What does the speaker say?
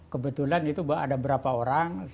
kebetulan itu ada berapa orang